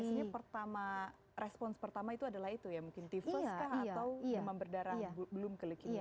dan biasanya pertama respons pertama itu adalah itu ya mungkin tifus kah atau demam berdarah belum ke leukemia